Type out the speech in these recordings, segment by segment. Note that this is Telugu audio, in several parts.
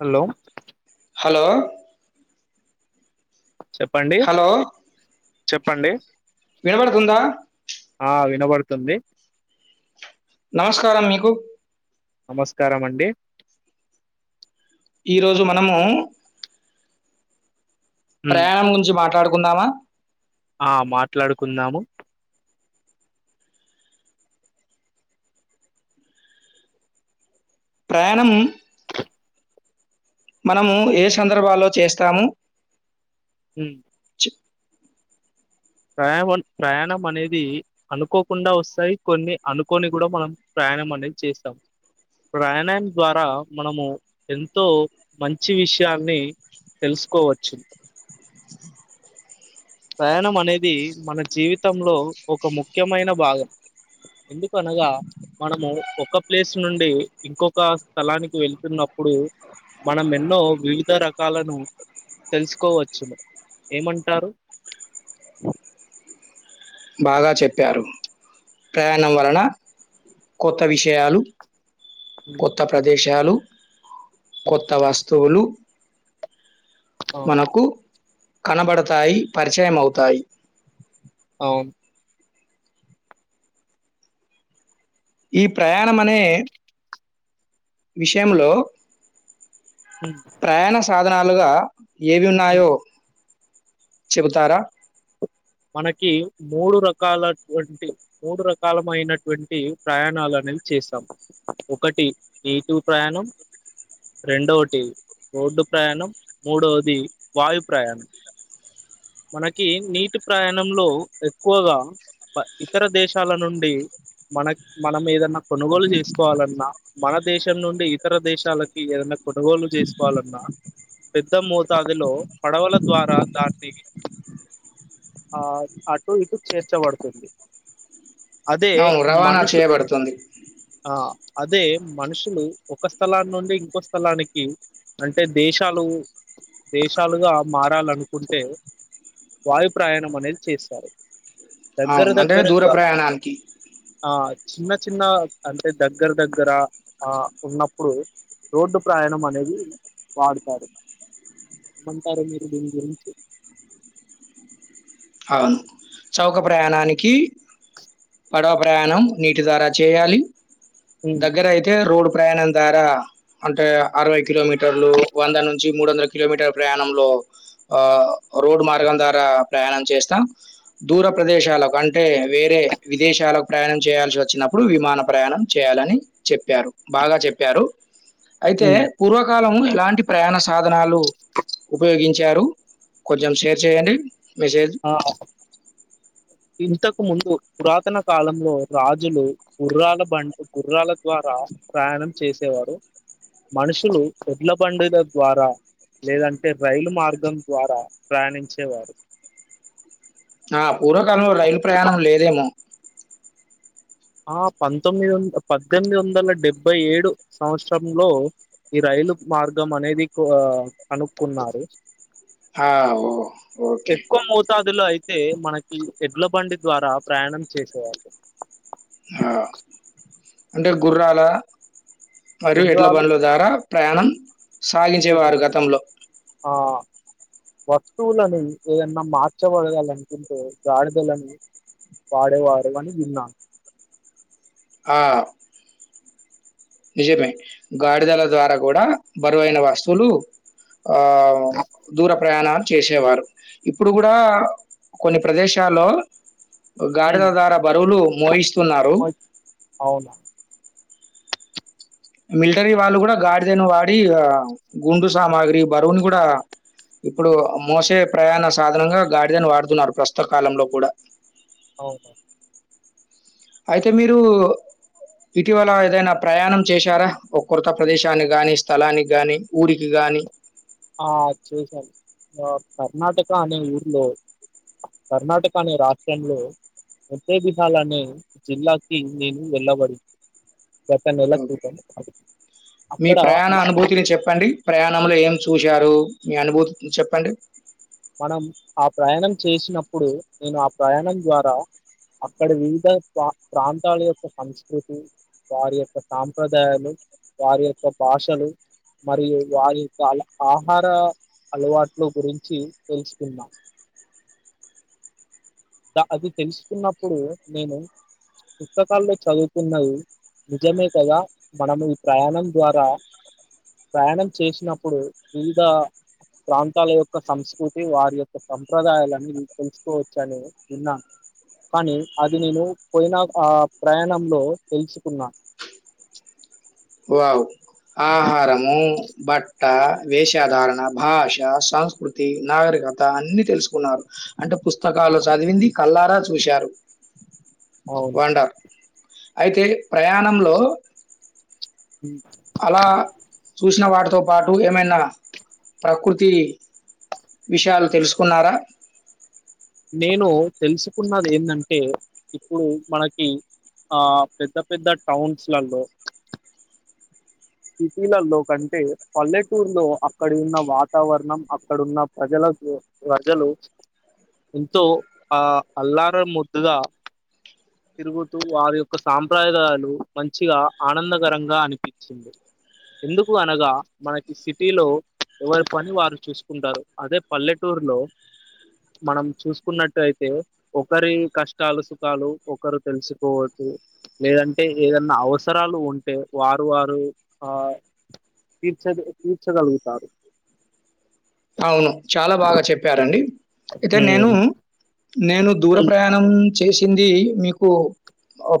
హలో హలో చెప్పండి హలో చెప్పండి వినబడుతుందా ఆ వినబడుతుంది నమస్కారం మీకు నమస్కారం అండి ఈ రోజు మనమూ ఉమ్, ప్రయాణం గురించి మాట్లాడుకుందామా ఆ మాట్లాడుకుందాము ప్రయాణం మనమూ ఏ సందర్భాలో చేస్తాము హ్మ్ చె ప్రయావణ్ ప్రయాణం అనేదీ అనుకోకుండా వస్తాయి కొన్ని అనుకోనియి గూడా మనం ప్రయా ప్రయాణం అనేది చేస్తాం ప్రయాణం ద్వారా మనము ఎంతో మంచి విషయాన్నీ తెలుసుకోవచ్చు ప్రయాణం అనేది మన జీవితంలో ఒక ముఖ్యమైన భాగం. ఎందుకు అనగా మనమూ ఒక ప్లేస్ నుండీ ఇంకొకా స్థలానికి వెళుతున్నప్ప్ మనం ఎన్నో వివిధ రకాలను తెలుసుకోవచ్చు ఏమంటారు అ బాగా చెప్పారు ప్రయాణం వలన కొత్త విషయాలు కొత్త ప్రదేశాలు కొత్త వస్తువులు అవును. మనకు కనబడతాయి పరిచయం అవుతాయి అవును ఈ ప్రయాణం అనే విషయంలో ఉమ్, ప్రయాణ సాధనాలుగా ఏవి ఉమ్. ఉన్నాయో చెబుతారా మనకి మూడు రకాలటువంటి మూడు రకాలమయినటువంటి ప్రయాణాలని చేస్తాం ఒకటి ఎటూ ప్రయాణం రెండోటి రోడ్డు ప్రయాణం మూడవది వాయు ప్రయాణం మనకి నీటి ప్రయాణంలో ఎక్కువగా ఇతర దేశాల నుండి మన మనం ఏదన్నా కొనుగోలు చేసుకోవాలన్నా మన దేశం నుండి ఇతర దేశాలకి ఏదైనా కొనుగోలు చేసుకోవాలన్నా పెద్ద మోతాదిలో పడవల ద్వారా దాన్ని ఆ అటు ఇటు చేర్చబడుతుంది అదే అవును రవాణా మనుషు చేయబడుతుంది ఆ అదే మనుషులు ఒక స్థలాన్ని నుండి ఇంకో స్థలానికి అంటే దేశాలు దేశాలుగా మారాలనుకుంటే వాయు ప్రయాణం అనేది చేశారు దగ్గర అవును అంటే దూర దగ్గరగ ప్రయాణానికి ఆ చిన్న చిన్న అంటే దగ్గర దగ్గర ఆ ఉన్నప్పుడు రోడ్డు ప్రయాణం అనేది వాడతారు ఏమంటారు మీరు దీని గురించి అవును చౌక ప్రయాణానికి పడవ ప్రయాణం నీటి ద్వారా చేయాలి ఉమ్ దగ్గర అయితే రోడ్ ప్రయాణం ద్వారా అంటే అరవై కిలోమీటర్లు వంద నుంచి మూడు వందల కిలోమీటర్ల ప్రయాణంలో ఆ రోడ్డు మార్గం ద్వారా ప్రయాణం చేస్తాం దూర ప్రదేశాలకు అంటే వేరే విదేశాలకు ప్రయాణం చేయాల్సి వచ్చినప్పుడు విమాన ప్రయాణం చేయాలని చెప్పారు బాగా చెప్పారు అయితే ఉమ్ పూర్వకాలం ఎలాంటి ప్రయాణ సాధనాలు ఉపయోగించారు కొంచెం షేర్ చేయండి మెసేజ్ ఆ ఇంతకు ముందు పురాతన కాలంలో రాజులు గుర్రాల బండు గుర్రాల ద్వారా ప్రయాణం చేసేవారు మనుషులు ఎడ్ల బండుల ద్వారా లేదంటే రైలు మార్గం ద్వారా ప్రయాణించేవారు ఆ పూర్వకాలంలో రైలు ప్రయాణం లేదేమో ఆ పంతొమ్మిది వంద పద్దెనిమిది వందల డెబ్బై ఏడు సంవత్సరంలో ఈ రై లు మార్గం అనేది కనుక్కున్నారు ఆ! ఓ ఓకే. ఎక్కువ మోతాదులో అయి తే మనకి ఎడ్ల బండి ద్వారా ప్రయాణం చేసేవాళ్ళు అంటే గుర్రాల మరియు గుర్రాలు ఎడ్లబండ్ల ద్వారా ప్రయాణం చేసే సాగించేవారు గతంలో ఆ వస్తువులను ఏదన్నా మార్చబడగాలనుకుంటే గాడిదలను పాడేవారు అని విన్నాను ఆ నిజమే గాడిదల ద్వారా కూడా బరువైన వస్తువులు ఆ దూర ప్రయాణాన్ని చేసేవారు ఇప్పుడు కూడా కొన్ని ప్రదేశాల్లో గాడిద హ్మ్. ద్వారా బరువు లు మూయిస్తారు అవునా మిలిటరీ వాళ్ళు కూడా గాడిదైన వాడి గుండు సామాగ్రి బరువుని కూడా ఇప్పుడు మోసే ప్రయాణ సాధనంగా గాడిదని వాడుతున్నారు ప్రస్తుత కాలంలో కూడా అవును అయితే మీరు ఇటీవల ఏదైనా ప్రయాణం చేశారా ఒక కొత్త ప్రదేశాన్ని గాని స్థలానికి గాని ఊరికి గాని కానీ ఆ చేసను కర్ణాటక అనే ఊర్లో కర్ణాటక అనే రాష్ట్రంలో ఎట్టే విధాలనే జిల్లాకి నేను వెళ్ళబడింది ఒక నెల ఓకే. క్రితం మీ అక్కడ ప్రయాణ అనుభూతిని చెప్పండి ప్రయాణంలో ఏం చూశారు మీ అనుభూతి చెప్పండి మనం ఆ ప్రయాణం చేసినప్పుడు నేను ఆ ప్రయాణం ద్వారా అక్కడ వివిధ ప్ర ప్రాంతాల యొక్క సంస్కృతి వారి యొక్క సాంప్రదాయాలు వారి యొక్క భాషలు మరియు వారి చాల ఆహార అలవాట్లు గురించి తెసుకున్నా అది తెలుసుకున్నప్పుడు నేను పుస్తకాల్లో చదువుకున్నది నిజమే కదా మనం ఈ ప్రయాణం ద్వారా ప్రయాణం చేసినప్పుడు వివిధా ప్రాంతాల యొక్క సంస్కృతి వారి యొక్క సంప్రదాయాలన్నీ తెలుసుకోవచ్చా అనీ విన్నా కానీ అది నేను పోయిన ఆ ప్రయాణంలో తెలుసుకున్న వావ్ ఆహారము బట్ట వేషధారణ భాష సంస్కృతి నాగరిక కాదా అన్ని తెలుసుకున్నారు అంటే పుస్తకాలు చదివింది కళ్ళారా చూశారు అవును. వండర్ అయితే ప్రయాణంలో ఉ అలా చూసిన వాటితో పాటు ఏమైనా ప్రకృతి విషయాలు తెలుసుకున్నారా నేను తెలుసుకున్నది ఏంటంటే ఇప్పుడు మనకి ఆ పెద్ద పెద్ద టౌన్సులల్లో ఉ ఉ ఉ సిటీలలో కంటే పల్లెటూరులో అక్కడ ఉన్న వాతావరణం అక్కడున్న ప్రజల ప్రజలు ఎంతో ఆ అల్లార ముద్దుగా తిరుగుతూ వారి యొక్క సాంప్రదాయాలు మంచిగా ఆనందకరంగా అనిపించింది ఎందుకు అనగా మనకి సిటీలో ఎవరి పని వారు చూసుకుంటారు అదే పల్లెటూరులో మనం చూసుకున్నట్టయితే ఒకరి కష్టాలు సుఖాలు ఒకరు తెలుసుకోదు లేదంటే ఏదన్నా అవసరాలు ఉంటే వారు వారు ఆ తీర్చ తీర్చగలుగుతారు అవును చాలా బాగా చెప్పారండి అయితే నేను హ్మ్ నేను దూర ఉన్ ప్రయాణం చేసింది మీకు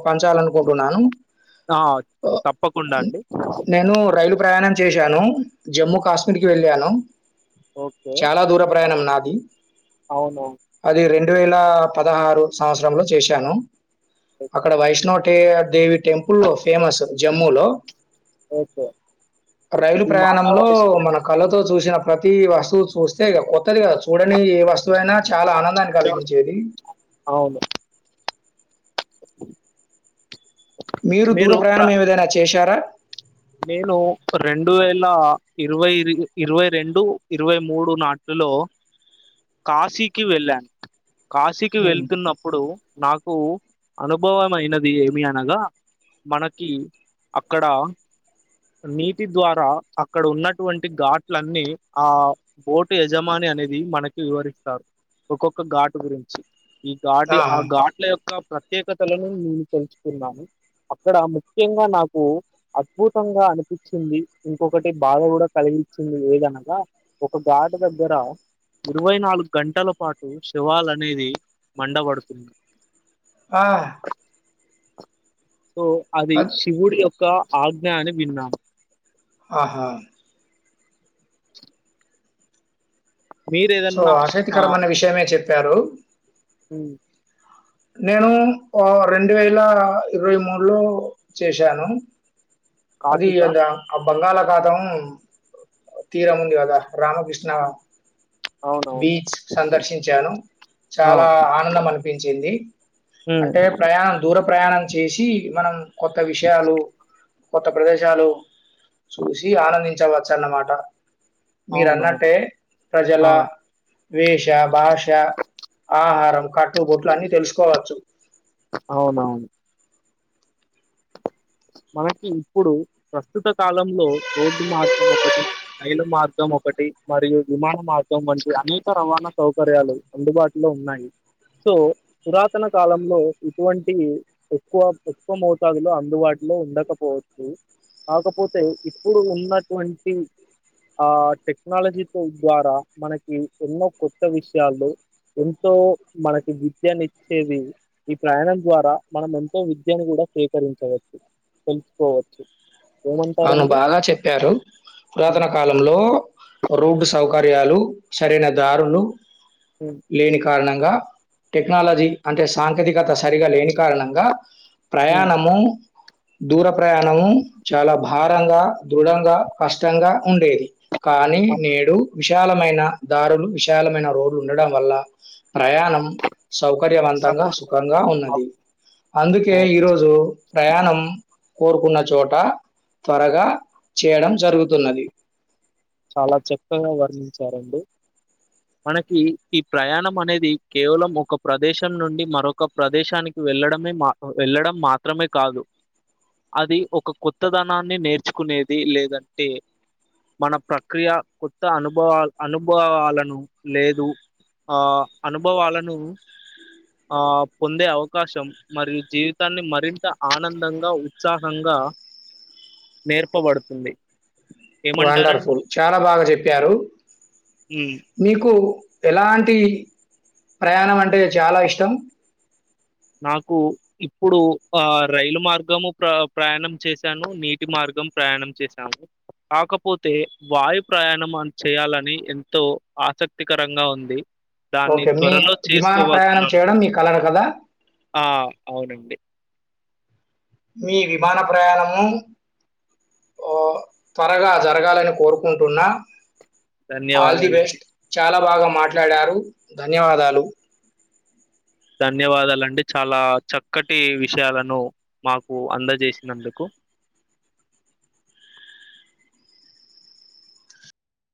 పంచాలనుకుంటున్నాను ఆ! తప్పకుండా అండి. నేను రైలు ప్రయాణం చేశాను జమ్మూ కాశ్మీర్ కి వెళ్ళాను ఓకే. చాలా దూర ప్రయాణం నా అవును రెండు వేల పదహారు సంవత్సరంలో చేశాను అక్కడ వైష్ణటే దేవి టెంపుల్ ఫేమస్ జమ్మూ లో ఓకే. రైలు ఈ మాతా ప్రయాణంలో వయసులో మన కళతో చూసిన ప్రతి వస్తువు చూస్తే ఇక కొత్తది కదా చూడని ఏ వస్తు వు అయినా చాలా ఆనందాన్ని కలిగించేది అవును. మీరు దూర ప్రయాణం ఏమిదైనా చేశారా రెండు వేల ఇరవై ఇరవై రెండు ఇరవై మూడు నాటిలో కాశీకి వెళ్ళాను కాశీకి హ్మ్. వెళ్తున్నప్పుడు నాకు అనుభవం అయినది ఏమి అనగా మనకి అక్కడ నీటి ద్వారా అక్కడ ఉన్నటువంటి ఘాట్లన్నీ ఆ బోటు యజమాని అనేది మనకి వివరిస్తారు ఒక్కొక్క ఘాటు గురించి ఈ ఘాటు ఆ ఆహా! ఘాట్ల యొక్క ప్ర ప్రత్యేకతలను నేను తెలుసుుకున్నాను అక్కడ ముఖ్యంగా నాకు అద్భుతంగా అనిపించింది ఇంకొకటి బాధ కూడా కలిగించింది లేదనగా ఒక ఘాటు దగ గ్గర ఇరవై నాలుగు గంటల పాటు శవాలనేది మండబడుతుంది ఆ సో అది అద్ శివుడి యొక్క ఆజ్ఞ అని విన్నా ఆహా చె సో ఆసక్తికరమన్న విషయమే చెప్పారు హ నేను రెండు వేల ఇరవై మూడు లో చేసాను అది కాశికా అ ఆ బంగాళాఖాతం తీరం ఉంది కదా రామకృష్ణ అవునవును బీచ్ సందర్శించాను ఆ చాలా ఆనందం అనిపించింది ఉమ్ అంటే ప్రయాణం దూర ప్రయాణం చేసి మనం కొత్త విషయాలు కొత్త ప్రదేశాలు చూసి ఆనందించవచ్చు అన్నమాట అవునవును మీరన్నట్టే ప్రజల ఆ వేష భాష ఆహారం కట్టు బొట్లు అన్ని తెలుసుకోవచ్చు అవునవును మనకి ఇప్పుడు ప్రస్తుత కాలంలో రోడ్డు మార్గం ఒకటి రైలు మార్గం ఒకటి మరియు విమాన మార్గం వంటి అనేక రవాణా సౌకర్యాలు అందుబాటులో ఉన్నాయి. సో పురాతన కాలంలో ఇటువంటి ఎక్కువ ఎక్కువ మోతాదులో అందుబాట్ లో ఉండకపోవచ్చు కాకపోతే ఇప్పుడు ఉన్నట్వంటి ఆ టెక్నాలజీతో ద్వారా మనకి ఎన్నో కొత్త విషయాలు ఎంతో మనకి విద్యనిచ్చేది ఈ ప్రయాణం ద్వారా మనం ఎంతో విద్యను కుడా స్వీకరించవచ్చు తెలుస్కోవచ్చు అవును బాగా చెప్పారు హ్మ్. పురాతన కాలంలో రోడ్డు సౌకర్యాలు సరైన దారులు హ్మ్. లేని కారణం గా టెక్నాలజీ అంటే సాంకేతికత సరిగా లేని కారణంగా హ్మ్. ప్రయాణము దూర ప్రయాణము చాలా భారంగ, దృఢంగ, కష్టంగ ఉండేది కానీ ఆ! నేడు విశాలమైన దారులు విశాలమైన రోడ్లు ఉండడం వల్ల ప్రయాణం సౌకర్యవంతంగ సంతోషం. సుఖంగా ఉన్నది అవును. అందుకే అవును. ఈరోజు ప్రయాణం కోరుకున్న చోట త్వరగా చేయడం జరుగుతున్నది. చాలా చక్కగా వర్ణించారండి మనకి ఈ ప్రయాణం అనేది కేవలం ఒక ప్రదేశం నుండి మరొక ప్రదేశానికి వెళ్ ఎళ్లడమే మాకు ఎళ్ళడం మాత్రమే కాదు అది ఒక కొత్తదనాన్ని నేర్చుకునేది లేదంటే మన ప్రక్రియ కొత్త అనుభవల్ అనుభవాలను లేదు ఆ అనుభవాలను ఆ పొందే అవకాశం మరియు జీవితాన్ని మరింత ఆనందంగా ఉత్సాహంగా ఆ నేర్పబడుతుంది ఏమంటారండి వండర్ఫుల్ చాలా బాగా చెప్పారు ఉమ్, మీకు ఎలాం టి ప్రయాణం అంటే చాలా ఇష్టం నాకు ఇప్పుడు ఆ రైలు మార్గము ప్ర ప్రయాణం చేశాను నీటి మార్ ప్రయాణం చేశా [inaudible] కాకపోతే వాయు ప్రయాణం చేయాలని ఎంతో ఆసక్తికరంగా ఉంది. దాన్ని ఓకే. మీ త్వరలో విమాన ప్రయాణం చేసుకోబోతున్నం చేయడం మీ కలలు కదా! ఆ అవునండి మీ విమాన ప్రయాణము త్వరగా జరగాలని కోరుకుంటున్నా ఆల్ ది ధన్యవాదాలండి బెస్ట్ చాలా భాగం మాట్లాడారు ధన్యవాదాలు ధన్యవాదాలండి చాలా చక్కటి విషయాలను మాకు అందజేసినందుకు